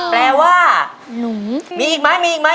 แปลว่ามีอีกมั้ย